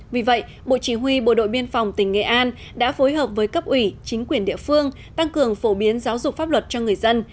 vì vậy bộ chỉ huy bộ đội biên phòng tỉnh nghệ an đã phối hợp với cấp ủy chính quyền địa phương tăng cường phổ biến giáo dục pháp luật cho người dân